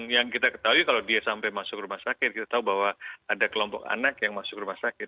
yang kita ketahui kalau dia sampai masuk rumah sakit kita tahu bahwa ada kelompok anak yang masuk rumah sakit